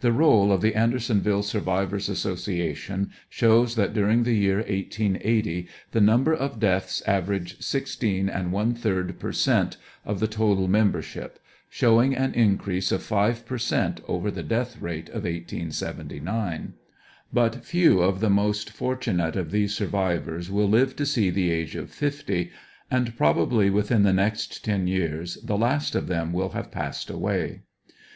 The roll of the Andersonville Survivors Association shows that EX PRIS0NER8 AND PENSIONS, 191 during the year 1880, the number of deaths averaged sixteen and one third per cent, of the total membership, showing an increase of five per cent, over the death rate of 1879. But few of the most fortunate of these survivors will live to see the age of fifty, and probably withm the next ten years the last of them will have passed aw^ay.